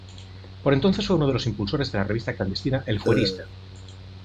Por entonces fue uno de los impulsores de la revista clandestina "El Fuerista.